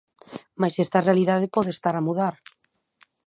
Mais esta realidade pode estar a mudar.